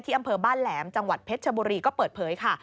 อำเภอบ้านแหลมจังหวัดเพชรชบุรีก็เปิดเผยค่ะ